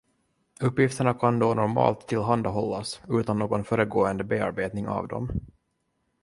Uppgifterna kan då normalt tillhandahållas utan någon föregående bearbetning av dem.